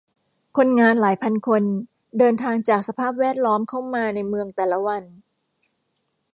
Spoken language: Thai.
คนงานหลายพันคนเดินทางจากสภาพแวดล้อมเข้ามาในเมืองในแต่ละวัน